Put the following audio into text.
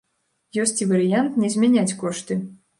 Ёсць і варыянт не змяняць кошты.